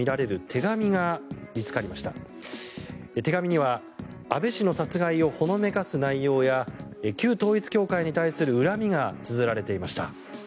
手紙には安倍氏の殺害をほのめかす内容や旧統一教会に対する恨みがつづられていました。